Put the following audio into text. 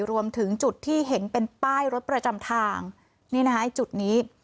รวมถึงจุดที่เห็นเป็นป้ายรถประจำทางนี่นะคะจุดนี้